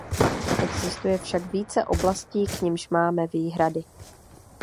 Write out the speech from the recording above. Existuje však více oblastí, k nimž máme výhrady.